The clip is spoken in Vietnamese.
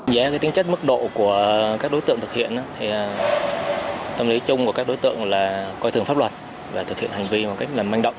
dạy tính chất mức độ của các đối tượng thực hiện tâm lý chung của các đối tượng là coi thường pháp luật và thực hiện hành vi bằng cách làm manh động